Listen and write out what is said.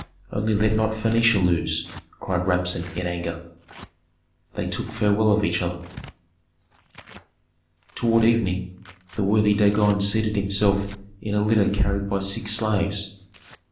Only let not Phœnicia lose!" cried Rabsun, in anger. They took farewell of each other. Toward evening the worthy Dagon seated himself in a litter carried by six slaves.